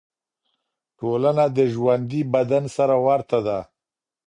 ټولنه د ژوندي بدن سره ورته ده.